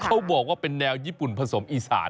เขาบอกว่าเป็นแนวญี่ปุ่นผสมอีสาน